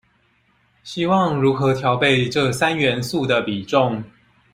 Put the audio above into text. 希望如何調配這三元素的比重